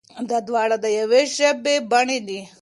دا دواړه د يوې ژبې بڼې دي.